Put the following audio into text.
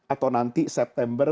atau nanti september